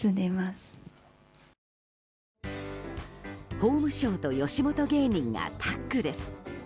法務省と吉本芸人がタッグです。